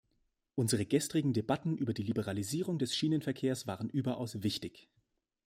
Unsere gestrigen Debatten über die Liberalisierung des Schienenverkehrs waren überaus wichtig.